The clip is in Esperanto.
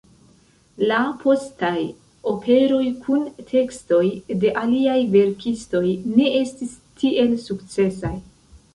La postaj operoj kun tekstoj de aliaj verkistoj ne estis tiel sukcesaj.